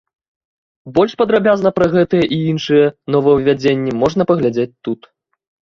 Больш падрабязна пра гэтыя і іншыя новаўвядзенні можна паглядзець тут.